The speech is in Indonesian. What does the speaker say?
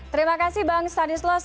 terima kasih bang stanislas